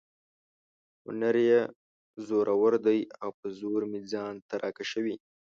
هنر یې زورور دی او په زور مې ځان ته را کشوي.